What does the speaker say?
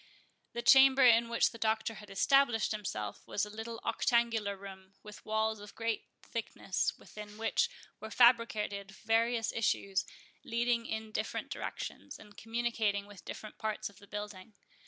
The chamber in which the Doctor had established himself was a little octangular room, with walls of great thickness, within which were fabricated various issues, leading in different directions, and communicating with different parts of the building.